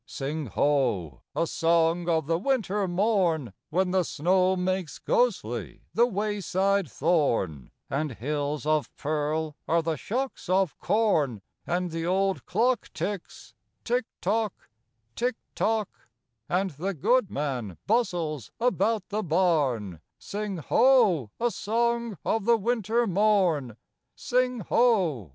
Sing, Ho, a song of the winter morn, When the snow makes ghostly the wayside thorn, And hills of pearl are the shocks of corn, And the old clock ticks, "Tick tock, tick tock;" And the goodman bustles about the barn Sing, Ho, a song of the winter morn! Sing, Ho!